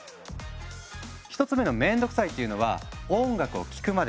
１つ目の「面倒くさい」っていうのは「音楽を聴くまでの手間」。